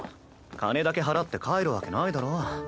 金だけ払って帰るわけないだろ。